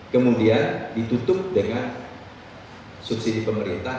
kemudian ditutup dengan subsidi pemerintah